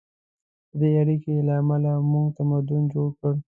د دې اړیکې له امله موږ تمدن جوړ کړ.